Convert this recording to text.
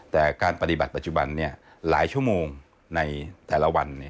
แต่การปฏิบัติปัจจุบันหลายชั่วโมงในแต่ละวัน